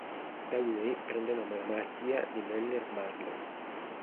Da lui prende nome la malattia di Moeller-Barlow.